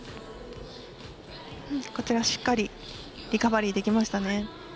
こちら、しっかりリカバリーできましたね。